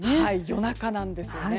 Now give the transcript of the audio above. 夜中なんですよね。